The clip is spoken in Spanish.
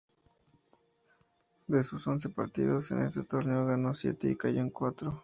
De sus once partidos en este torneo, ganó siete y cayó en cuatro.